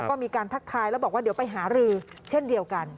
ก็มีการทักทายแล้วบอกว่าเดี๋ยวไปหารือเช่นเดียวกัน